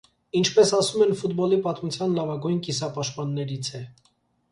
Ինչպես ասում են ֆուտբոլի պատմության լավագույն կիսապաշտպաններից է։